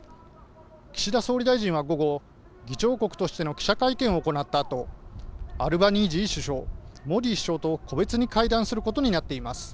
岸田総理大臣は午後、議長国としての記者会見を行ったあと、アルバニージー首相、モディ首相と個別に会談することになっています。